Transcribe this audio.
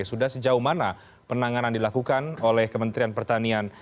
sudah sejauh mana penanganan dilakukan oleh kementerian pertanian